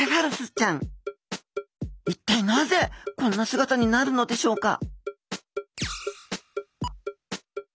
一体なぜこんな姿になるのでしょうか？